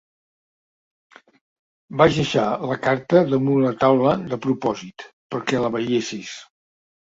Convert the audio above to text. Vaig deixar la carta damunt la taula de propòsit, perquè la veiessis.